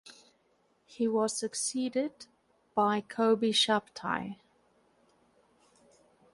He was succeeded by Kobi Shabtai.